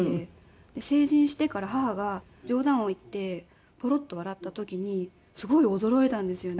成人してから母が冗談を言ってポロッと笑った時にすごい驚いたんですよね。